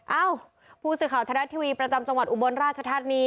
เอ้าผู้สื่อข่าวทรัฐทีวีประจำจังหวัดอุบลราชธานี